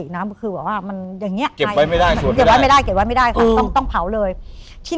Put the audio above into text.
ก็ปกตินะก็คือว่าว่าเหมือนงี้